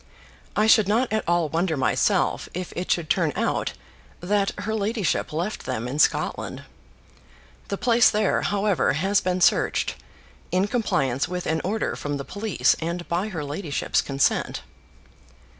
I should not at all wonder myself, if it should turn out that her ladyship left them in Scotland. The place there, however, has been searched, in compliance with an order from the police and by her ladyship's consent.